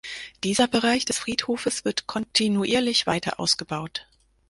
Dieser Bereich des Friedhofes wird kontinuierlich weiter ausgebaut.